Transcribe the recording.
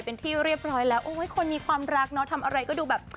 เป็นที่เรียบร้อยแล้วโอ้ยคนมีความรักเนอะทำอะไรก็ดูแบบ